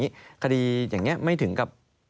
คดีอย่างนี้ไม่ถึงกับ